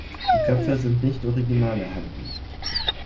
Die Köpfe sind nicht original erhalten.